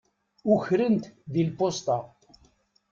Ukren-t di lpusṭa.